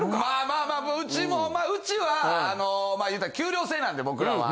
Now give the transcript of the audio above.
まあまあうちもうちはまあいうたら給料制なんで僕らは。